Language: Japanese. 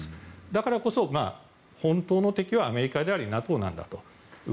だからこそ、本当の敵はアメリカでありＮＡＴＯなんだと。